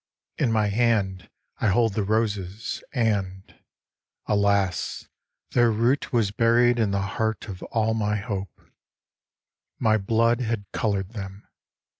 In my hand I hold the roses, and Alas ! their root was buried In the heart Of all my hope. My blood had coloured them.